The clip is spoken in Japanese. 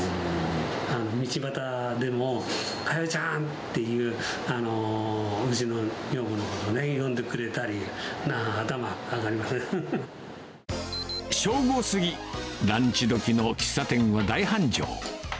道端でも、香代ちゃんって、お店の、女房のことを呼んでくれたり、頭上がり正午過ぎ、ランチどきの喫茶店は大繁盛。